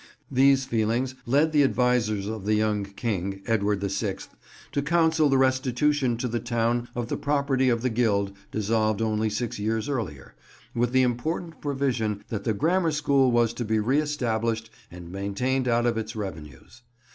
These feelings led the advisers of the young king, Edward the Sixth, to counsel the restitution to the town of the property of the Guild dissolved only six years earlier, with the important provision that the grammar school was to be re established and maintained out of its revenues.